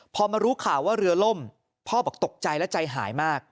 พอมารู้ข่าวว่าเรือล่มพ่อบอกตกใจและใจหายมาก